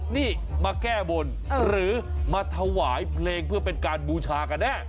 นี่มาแก้บนหรือมาถวายเพลงเพื่อเป็นการบูชากันแน่